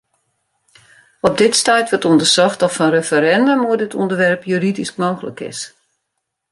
Op dit stuit wurdt ûndersocht oft in referindum oer dit ûnderwerp juridysk mooglik is.